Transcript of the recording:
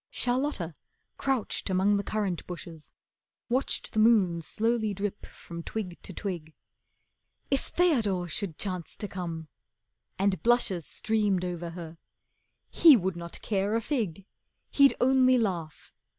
Charlotta, crouched among the currant bushes, Watched the moon slowly dip from twig to twig. If Theodore should chance to come, and blushes Streamed over her. He would not care a fig, He'd only laugh.